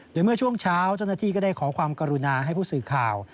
โดยเมื่อช่วงเช้าเจ้าหน้าที่ก็ได้ขอความกรุณาให้ผู้สื่อข่าว